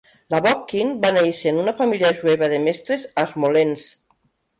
Lavochkin va néixer en una família jueva de mestres a Smolensk.